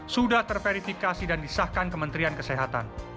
sudah terverifikasi dan disahkan kementerian kesehatan